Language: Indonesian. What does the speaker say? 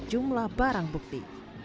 jumlah barang bukti